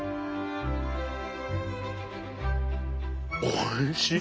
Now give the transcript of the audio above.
おいしい。